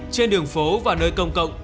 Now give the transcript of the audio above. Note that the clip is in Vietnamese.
trên đường phố và nơi công cộng